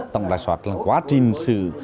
tổng đại soát là quá trình sử dụng